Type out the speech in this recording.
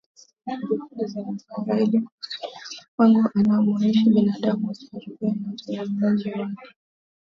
Juhudi zinafanywa ili kuhakikisha ulimwengu anamoishi binadamu usiharibiwe na utendaji wake